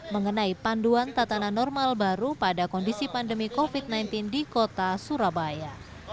mengenai panduan tatanan normal baru pada kondisi pandemi covid sembilan belas di kota surabaya